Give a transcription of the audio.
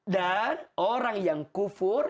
dan orang yang kufur